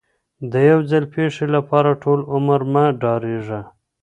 د یو ځل پیښې لپاره ټول عمر مه ډارېږه.